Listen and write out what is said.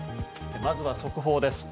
まずは速報です。